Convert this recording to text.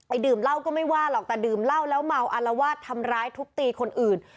ดื่มเหล้าก็ไม่ว่าหรอกแต่ดื่มเหล้าแล้วเมาอารวาสทำร้ายทุบตีคนอื่น